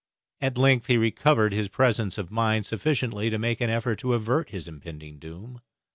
At length he recovered his presence of mind sufficiently to make an effort to avert his impending doom.